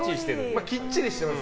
きっちりしてる。